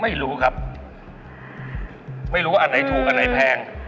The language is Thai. ไม่รู้ครับไม่รู้ว่าอันไหนถูกอันไหนแพง